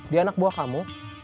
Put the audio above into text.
dia anak buah kamu